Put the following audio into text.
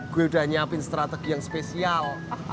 gue udah nyiapin strategi yang spesial